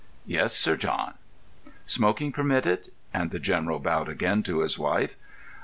"Yes, Sir John." "Smoking permitted?" And the General bowed again to his wife.